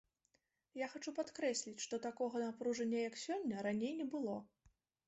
Я хачу падкрэсліць, што такога напружання, як сёння, раней не было.